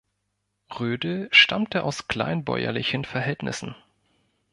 Rödel stammte aus kleinbäuerlichen Verhältnissen.